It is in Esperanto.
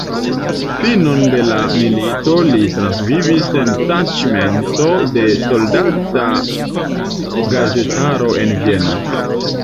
Finon de la milito li transvivis en taĉmento de soldata gazetaro en Vieno.